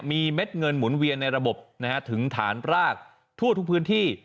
มีเม็ดเงินหมุนเวียนในระบบถึงฐานรากทั่วทุกพื้นที่